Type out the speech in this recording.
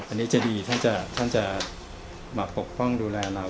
อันนี้จะดีท่านจะมาปกป้องดูแลเรา